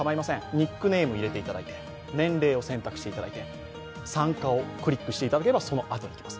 ニックネームを入れていただいて、年齢を選んでいただいて参加をクリックしていただければ、そのアドレスにいきます。